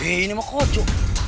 ini mah kocok